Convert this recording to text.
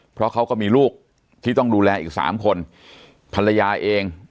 เพราะเขาก็มีลูกที่ต้องดูแลอีกสามคนภรรยาเอง